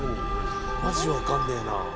「マジわかんねえな」